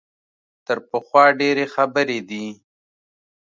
تر پخوا ډېرې خبرې دي.